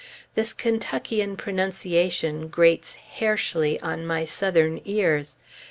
This Kentuckian pronunciation grates "hairshly" on my Southern ears.